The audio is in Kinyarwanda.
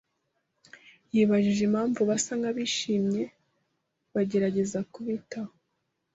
Yibajije impamvu basa nkabishimye bagerageza kubitaho.